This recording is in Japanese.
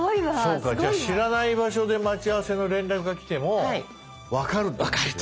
そうかじゃあ知らない場所で待ち合わせの連絡が来ても分かるってこと。